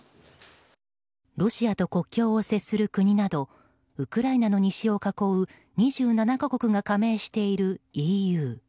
ロシアと国境を接する国などウクライナの西を囲う２７か国が加盟しているＥＵ。